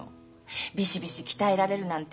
ビシビシ鍛えられるなんて